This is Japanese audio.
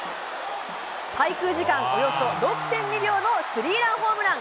滞空時間およそ６．２秒のスリーランホームラン。